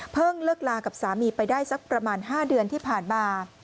เลิกลากับสามีไปได้สักประมาณ๕เดือนที่ผ่านมา